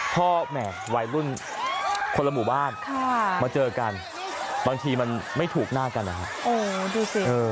พ่อแม่วัยรุ่นคนละหมู่บ้านมาเจอกันบางทีมันไม่ถูกหน้ากันนะฮะโอ้ดูสิ